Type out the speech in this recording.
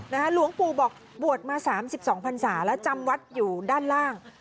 หลวงปู่บอกบวชมา๓๒พันศาแล้วจำวัดอยู่ด้านล่าง